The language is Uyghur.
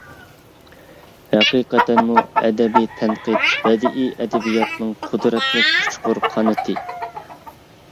ھەقىقەتەنمۇ ئەدەبىي تەنقىد بەدىئىي ئەدەبىياتنىڭ قۇدرەتلىك ئۇچقۇر قانىتى.